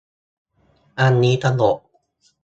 อันนี้ตลก